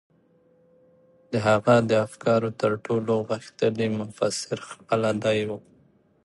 د هغه د افکارو تر ټولو غښتلی مفسر خپله دی و.